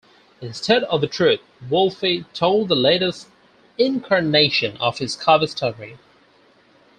Instead of the truth, Wolfe told the latest incarnation of his cover story.